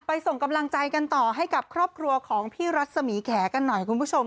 ส่งกำลังใจกันต่อให้กับครอบครัวของพี่รัศมีแขกันหน่อยคุณผู้ชม